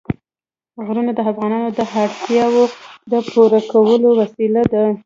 غرونه د افغانانو د اړتیاوو د پوره کولو وسیله ده.